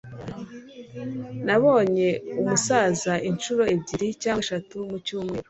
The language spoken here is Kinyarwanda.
Nabonye umusaza inshuro ebyiri cyangwa eshatu mu cyumweru.